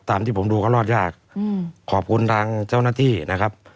ที่ผมดูเขารอดยากขอบคุณทางเจ้าหน้าที่นะครับ